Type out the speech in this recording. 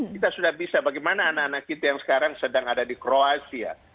kita sudah bisa bagaimana anak anak kita yang sekarang sedang ada di kroasia